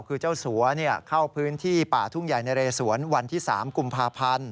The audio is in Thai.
คือเจ้าสัวเข้าพื้นที่ป่าทุ่งใหญ่นะเรสวนวันที่๓กุมภาพันธ์